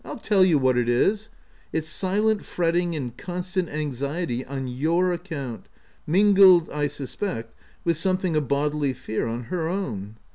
— I'll tell you what it is : it's silent fretting and constant anxiety on your account, mingled I suspect, with something of bodily fear on her own.